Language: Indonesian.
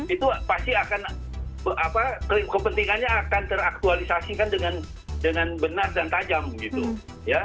itu pasti akan kepentingannya akan teraktualisasikan dengan benar dan tajam gitu ya